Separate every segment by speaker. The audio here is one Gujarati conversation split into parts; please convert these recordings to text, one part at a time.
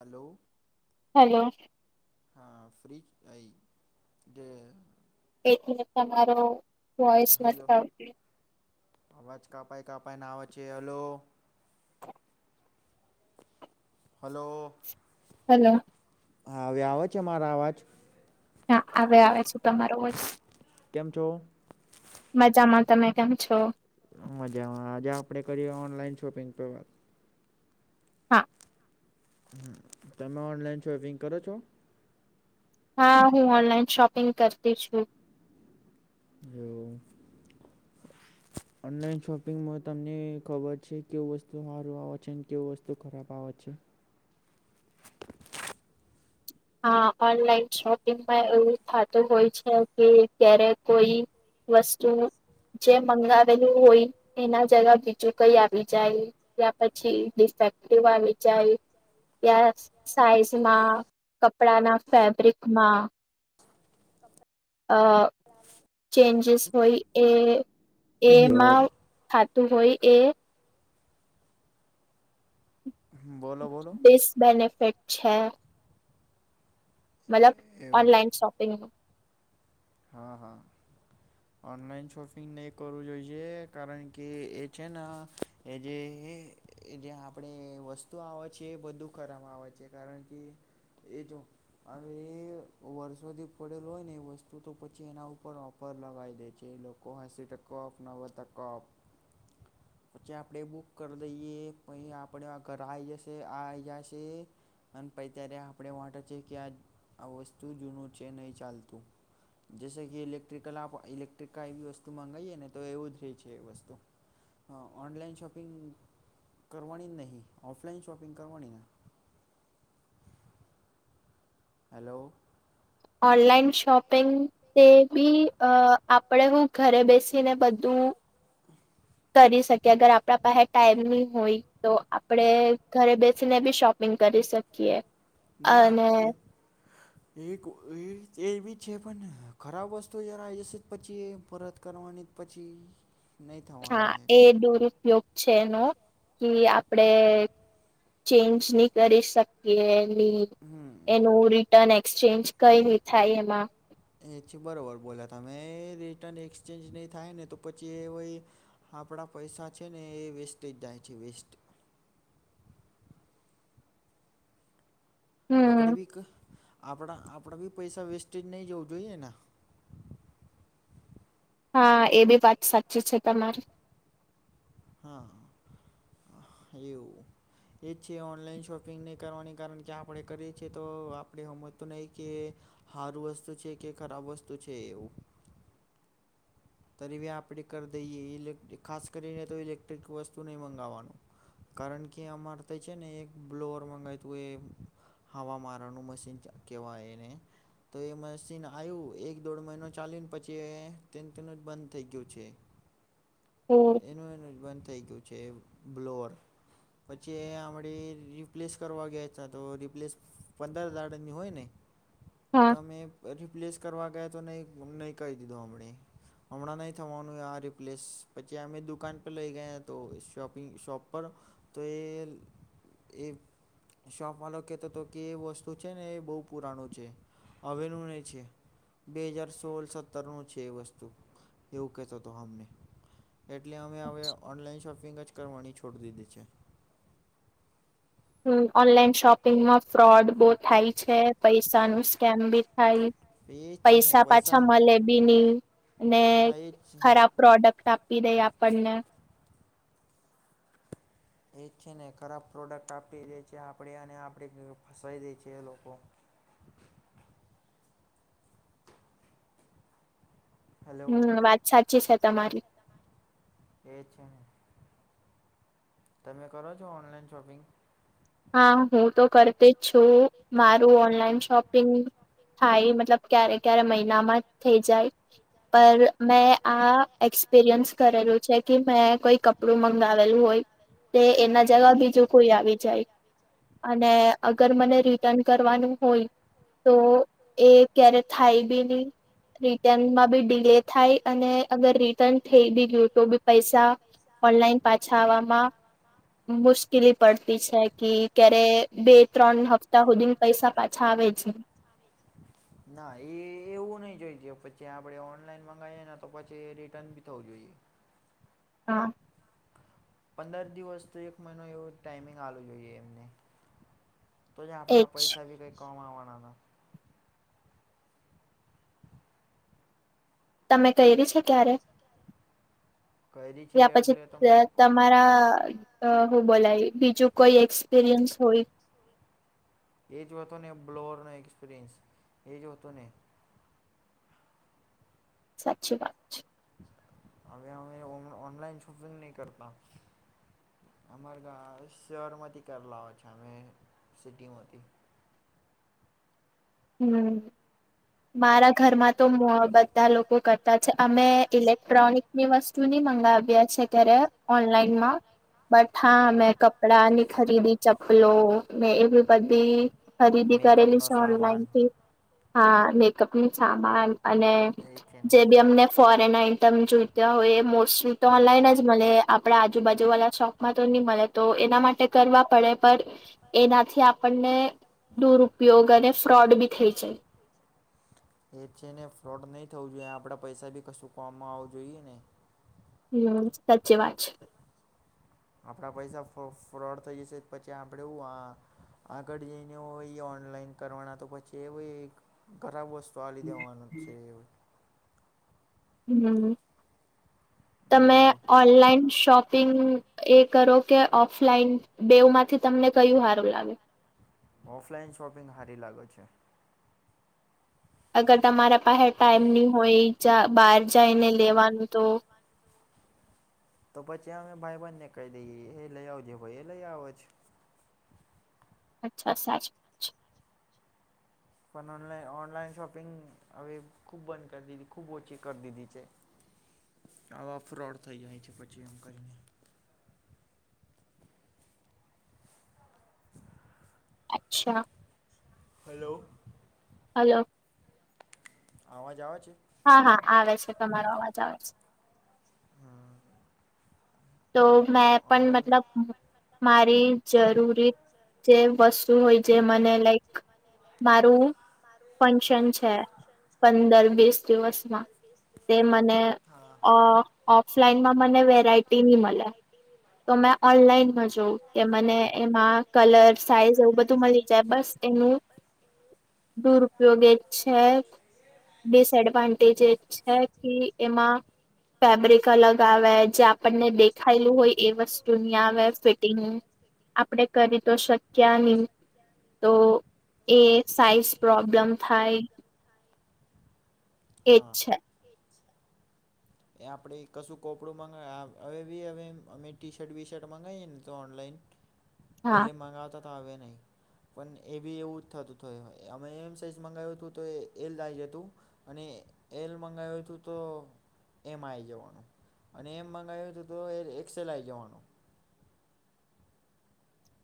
Speaker 1: હલો
Speaker 2: હેલો
Speaker 1: હા ફ્રિજ આઈ જે
Speaker 2: એથી તમારો વોઈસ નથી આવતી
Speaker 1: અવાજ કપાઈ કપાઈને આવે છે હલો હલો
Speaker 2: હેલો
Speaker 1: હા હવે આવો છે મારા અવાજ
Speaker 2: હા હવે આવે છે તમારો વોઈસ
Speaker 1: કેમ છો
Speaker 2: મજામાં તમે કેમ છો
Speaker 1: મજામાં આજે આપણે કરીએ ઓનલાઈન શોપિંગ પર વાત
Speaker 2: હા
Speaker 1: હમમ તમે ઓનલાઈન શોપિંગ કરો છો
Speaker 2: હા હું ઓનલાઈન શોપિંગ કરતી છું
Speaker 1: [unintelligible] ઓનલાઈન શોપિંગમાં તમને ખબર છે કેવું વસ્તુ સારું આવે છે કેવું વસ્તુ ખરાબ આવે છે
Speaker 2: હા ઓનલાઈન શોપિંગમાં એવું થતું હોય છે કે ક્યારે કોઈ વસ્તુ જે મંગાવેલું હોય એના જગા બીજું કઈ આવી જાય યા પછી ડિફેક્ટિવ આવી જાય યા સાઈઝમાં કપડામાં ફેબ્રિકમાં અ
Speaker 1: [inaudible]
Speaker 2: ચેન્જીસ હોય એ એમાં ખાતું હોય એ ડિસબેનિફિટ છે મતલબ ઓનલાઈન શોપિંગ
Speaker 1: હા હા ઓનલાઈન શોપિંગ નહી કરવું જોઈએ કારણ કે એ છે એ જે એ એ જે આપણે વસ્તુ આવે છે એ બધું ખરામાં આવે છે કારણ કે એ જો હવે એ વર્ષોથી પડેલ હોય ને એ વસ્તુ તો પછી એના ઉપર ઓફર લગાવી દે છે કે લોકો હસી ટકો આપ નવો ટકો આપ પછી આપણે બુક કરી દઈએ પછ આપણે આ ઘર આવી જશે આઈ જશે અને પ ત્યારે આપણે વાટ છે કે આ આ વસ્તુ જૂનું છે નહીં ચાલતું જૈસ કે ઇલેક્ટ્રિકલા આપ ઇલે ટકા એ વસ્તુ મગાવીએ ને તો એવું જ રહે છે એ વસ્તુ હ ઓનલાઈન શોપિંગ કરવાની જ નહીં ઓફલાઈન શોપિંગ કરવાની હલો
Speaker 2: ઓનલાઈન શોપિંગ તે બી અ આપણેે હું ઘરે બેસીને બધું કરી શકે અગર આપણા પાસે ટાઈમ નહી હોય તો આપણે ઘરે બેસીને બી શોપિંગ કરી શકીએ
Speaker 1: ના એ એક એ જે એવી છે પણ ખરાબ વસ્તુ યાર આવી જાય પછી એ પરત કરવાની પછી હમ
Speaker 2: હા એ દુરુપયોગ છે ન કે આપણે ચેન્જ નહી કરી શકીએ એનું રિટર્ન એક્સચેન્જ કઈ થાય એમાં
Speaker 1: એ છે બરાબર બોલ્યા તમે એ રિટર્ન એક્સચેન્જ નહીં થાય ને તો પછી એ હોય આપણા પૈસા છે ને એ વેસ્ટ જ જાય છે વેસ્ટ આપણે બી ક આપણા આપણા બી પૈસા વેસ્ટેજ નહીં જવું જોઈએ ને
Speaker 2: હા એ બી વાત સાચી છે તમારી
Speaker 1: હા એવું. એ જ છે ઓનલાઈન શોપિંગ નહી કરવાની, કારણ કે આપડે કરીએ છીએ તો આપડે હમજતું નહી કે હારું વસ્તુ છે, કે ખરાબ વસ્તુ છે એવું તરીવે આપણે કર દઈએ, ઇલેટ્રિક ખાસ કરીને તો ઈલેક્ટ્રિક વસ્તુ નહી મંગાવવાનું. કારણ કે અમારે ત્યાં છે ને એક બ્લોઅર મંગાયતું એ હવા મારાનું મશીન ક કેવાય એને તો એ મશીન આયું, એક દોઢ મહિનો ચાલેને પછી એ તીન તીનજ બંધ થઈ ગયું છે.
Speaker 2: હમ્મ
Speaker 1: એનું એનું બંધ થઈ ગયું છે બ્લોવર. પછી એ આપડી રિપ્લેસ કરવા ગયા છા તો રિપ્લેસ પંદર હજારની હોય ને તો અમે અ રિપ્લેસ કરવા ગયા તો, નહીં નહીં કહી દીધો હમને. હમણાં નહીં થવાનું આ રિપ્લેસ, પછી અમે દુકાન પર લઈ ગયા તો શોપિંગ શોપ પર તો એ એ શોપ વાલો કેતો તો, કે એ વસ્તુ છે ને એ બહુ પુરાણું છે. હવેનું નહી છે, બે હજાર સોળ સત્તર નું છે એ વસ્તુ તુ એવું કતો હતો અમને, એટલે અમે હવે ઓનલાઈન શોપિંગજ કરવાની છોડ દીધી છે.
Speaker 2: હમ્મ, ઓનલાઈન શોપિંગમાં ફ્રોડ બહુ થાય છે, પૈસાનું સ્કેમ બી થાય, પૈસા પાછા મલેબી ની, ને ખરાબ પ્રોડક્ટ આપી દે આપણને.
Speaker 1: એજ છે ને, ખરાબ પ્રોડક્ટ આપી દે છે આપડે, અને આપડે કેવો ફસાઈ દે છે એ લોકો હેલો, એ છે ને તમે કરો છો ઓનલાઈન શોપિંગ?
Speaker 2: હા, હું તો કરતી જ છું, મારું ઓનલાઈન શોપિંગ થાય, મતલબ ક્યારે ક્યારે મહિનામાં જ થઈ જાય. પર મેં આ એક્સપિરિયન્સ કરેલું છે, કે મેં કોઈ કપડું મંગાવેલું હોય. તે એના જગા બીજું કોઈ આવી જાય. અને અગર મને રિટર્ન કરવાનું હોય તો એ ક્યારે થાય બી નહી. રિટર્નમાં બી ડીલે થાય, અને અગર રિટર્ન થઈ બી ગયું તો બી પૈસા ઓનલાઈન પાછા આવવામાં મુશ્કેલી પડતી છે. કે ક્યારે બે ત્રણ હપ્તા હુધીને પૈસા પાછા આવે છે.
Speaker 1: ના એ એવું નહી જોઈજે, પછી આપણેે ઓનલાઈન મગાવીએ ને તો પછી રિટર્ન બી થવું જોઈએ.
Speaker 2: હા.
Speaker 1: પંદર દિવસ થી એક મહિનો એવો ટાઈમિંગ આલવુ જોઈએ એમને. તોજ આપડા પૈસા કે કાઈ કમાંવાના ના.
Speaker 2: તમે કઇરી છે ક્યારે? યા પછી તમારા અ હું બોલાય બીજું કોઈ એક્સપિરિયન્સ હોય
Speaker 1: એ જ હોતો ને બ્લોરનો એક્સપિરિયન્સ એ જ હોતો ને
Speaker 2: સાચી વાત છે.
Speaker 1: અવે અમે ઓ ઓનલાઈન શોપિંગ નહી કરતા. અમારે ગા શહેર માંથી કરલાઓ છે અમે સિટીમાંથી
Speaker 2: હમ મારા ઘરમાં તો બધા લોકો કરતા છે. અમે ઇલેક્ટ્રોનિકની વસ્તુ ની મંગાવ્યા છે. ત્યારે ઓનલાઈનમાં બધા મેં કપડાની ખરીદી, ચપલોને એવી બધી ખરીદી કરેલી છે ઓનલાઈન. હા, મેકઅપનું સામાન અને જે બી અમને ફોરેન આઈટમ જોઈતા હોય, એ મોસ્ટલી તો ઓનલાઈન જ મળે. આપણા આજુબાજુ વાળા શો પ એમાં તો નહીં મળે, તો એના માટે કરવા પડે પણ એનાથી, આપણને દુરપયોગ અને ફ્રોડ બી બી છે.
Speaker 1: [inaudible] એ છે ને ફ્રોડ નહી થવું જોઈએ. આપણા પૈસા બી કશું કોમમાં આવું જોઈએ ને
Speaker 2: હમ. સાચી વાત છે.
Speaker 1: આપણા પૈસા ફ્રોડ થઈ જશે પછી આપણે હું આ આગળ જઈને હોય, ઓનલાઈન કરવાના તો પછી એવું એ ખરાબ વસ્તુ વાલી દેવાનું છે એવું -
Speaker 2: હમ. તમે ઓનલાઈન શોપિંગ એ કરો, કે ઓફલાઈન, બેઉમાંથી તમને કયું સારું લાગે?
Speaker 1: ઓફલાઈન શોપિંગ હારી લાગે છે.
Speaker 2: અગર તમારા પાસે ટાઈમ નહી હોય, બહાર જઈને લેવાનું તો
Speaker 1: તો પછી અમે ભાઈબન ને કહી દઈએ, એ લઈ આવજે ભાઈ એ લઈ આવે છે.
Speaker 2: અચ્છા. સાચ-
Speaker 1: પણ ઓનલાઈન, ઓનલાઈન શોપિંગ હવે, ખૂબ બંધ કરી દીધી, ખૂબ ઓછી કરી દીધી છે. હવ, ફ્રોડ થઈ જાય છે. પછી એમ કરીને
Speaker 2: અચ્છા.
Speaker 1: હલો.
Speaker 2: હલો.
Speaker 1: અવાજ આવે છે?
Speaker 2: હા હા, આવે છે. તમારો અવાજ આવે છે.
Speaker 1: હા.
Speaker 2: તો મેં પણ મતલબ મારી જરૂરી જે વસ્તુ હોય જે મને લાઈક મારું ફંક્શન છે, પંદર વીસ દિવસમાં. તે મને ઓફલાઈનમાં, મને વેરાયટી નહીં મળે.
Speaker 1: [inaudible]
Speaker 2: તો મેં ઓનલાઈનમાં જોઉં કે મને એમાં કલર, સાઈઝ એવું બધું મળી જાય. બસ એનું
Speaker 1: હ [unintelligible]
Speaker 2: દુરુપયોગ એ છે. ડિસએડવાન્ટેજ છે કે એમાં ફેબ્રિક અલગ આવે, જે આપણને દેખાયેલું હોય એ વસ્તુની આવે ફિટિંગ, આપણેે કરી તો શક્યા નહી તો એ સાઈઝ પ્રોબ્લેમ થાય. એ જ છે.
Speaker 1: એ આપણે કશું કોપડું મંગાવે હવે, બી હવે અમે ટી શર્ટ વી શર્ટ મંગાવીએ ને તો ઓનલાઈન- પેહલે મગાવતા હતા, હવે નહીં. પણ એ બી એવું જ થતું થય. અમે એમ સાઈઝ મગાવ્યું હતું તો એલ આઇ જ હતું. અને એલ મંગાવ્યું હતું તો એમ આઈ ગયો અને એમ મંગાવ્યું હતું તો એ એક્સેલ આઈ જવાનો.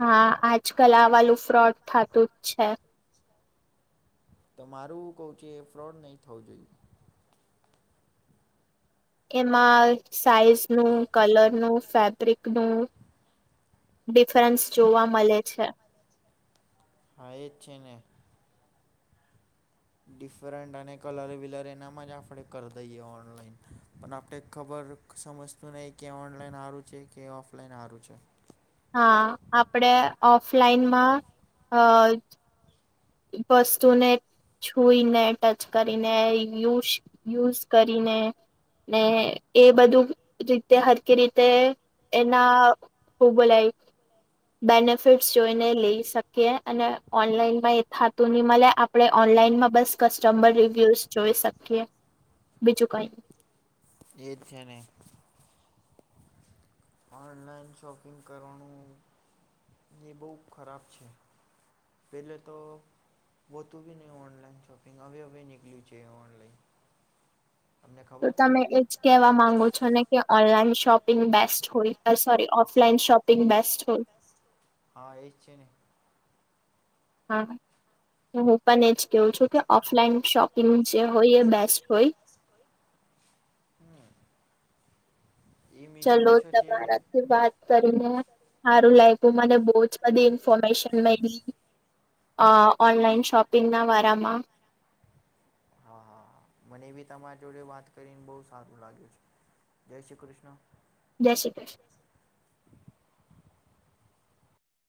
Speaker 2: હા, આજકલ આ વાલું ફ્રોડ થતું જ છે.
Speaker 1: તો મારું એવું કહું છે એ ફ્રોડ નહીં થવું જોઈએ.
Speaker 2: એમાં સાઈઝનું, કલરનું, ફેબકનું ડિફરન્સ જોવા મળે છે.
Speaker 1: હા એજ છે ને. ડિફરન્ટ અને કલર વિલર એનામાં જ આપણે કરી દઈએ ઓનલાઈન પણ આપણે ખબર સમજતું નહીં કે ઓનલાઈન સારું છે કે ઓફલાઈન સારું છે?
Speaker 2: હા આપણે ઓફલાઈનમાં અ વસ્તુને છુઈને, ટચ કરીને, યુસ યુઝ કરીને ને એ બધું રીતે હરકી રીતે એના ખુબ લઈ બેનિફિટ્સ જોઈને લઈ શકીએ અને ઓનલાઈનમાં ધાતુ ની મળે આપણે ઓનલાઈનમાં બસ કસ્ટમર રિવ્યુઝ જોઈ શકીએ બીજું કઈ.
Speaker 1: એજ છે ને. ઓનલાઇન શોપિંગ કરવાનું એ બહુ ખરાબ છે. પેલે તો બોતું બ નહીં ઓનલાઈન શોપિંગ હવે હવે નીળ્યું છે ઓનલાઈન.
Speaker 2: તો તમે એજ કેહેવા માંગો છો ને કે ઓનલાઈન શોપ પિંગ બેસ્ટ હોય સોરી ઓફલાઈન શોપિંગ બેસ્ટ હોય?
Speaker 1: હા એજ છે ને.
Speaker 2: હા હું પણ એજ કેવું છું કે ઓફલાઈન શોપિંગ જે હોય એ બેસ્ટ હોય. ચલો તમારા થી વાત કરીને મારું [unintelligible] મને બહ જ બધી ઇન્ફોર્મેશન મળી. અ ઓનલાઈન શોપિંગના વારામાં.
Speaker 1: હા હા હા મને બી તમારા જોડે વાત કરીને બહુ સારું લાગ્યું છે. જય શ્રી કૃષ્ણ.
Speaker 2: જય શ્રી કૃષ્ણ.